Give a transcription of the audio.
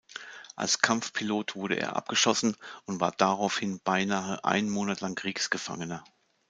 Als Kampfpilot wurde er abgeschossen und war daraufhin beinahe ein Monat lang Kriegsgefangener.